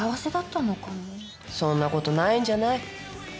そんな事ないんじゃない？